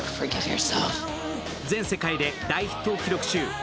全世界で大ヒットを記録中。